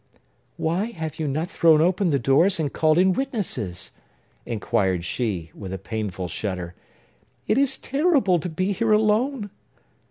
"Why have you not thrown open the doors, and called in witnesses?" inquired she with a painful shudder. "It is terrible to be here alone!"